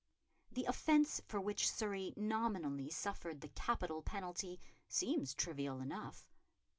The offence for which Surrey nominally suffered the capital penalty seems trivial enough.